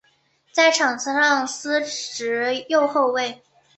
在场上司职左后卫。